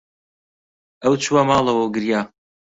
ئەو چووەوە ماڵەوە و گریا.